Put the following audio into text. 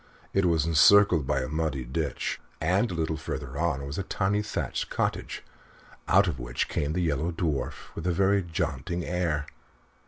It was encircled by a muddy ditch, and a little further on was a tiny thatched cottage, out of which came the Yellow Dwarf with a very jaunty air.